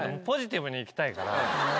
ポジティブにいきたいから。